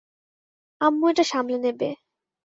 আম্মু এটা সামলে নেবে।